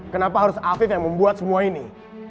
kenapa harus afif yang membuat semua ini